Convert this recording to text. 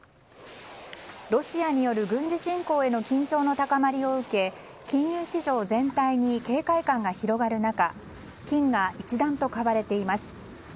ロシアによる軍事侵攻への緊張の高まりを受け金融市場全体に警戒感が広がる中金が一段と買われています。